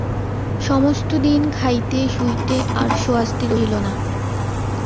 সমস্ত দিন খাইতে শুইতে আর সোয়াস্তি রহিল না।